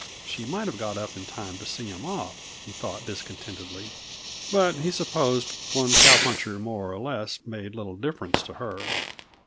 She might have got up in time to see him off, he thought discontentedly; but he supposed one cowpuncher more or less made little difference to her.